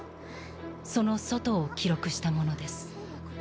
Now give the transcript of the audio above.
その外を記録したものです。